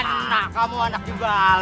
nah anak kamu anak gimbal